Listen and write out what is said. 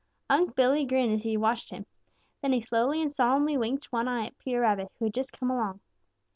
Unc' Billy grinned as he watched him. Then he slowly and solemnly winked one eye at Peter Rabbit, who had just come along.